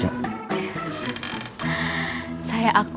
warga cirawas ini sangat menyenangkan